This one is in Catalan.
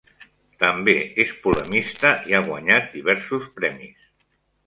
També és polemista i ha guanyat diversos premis.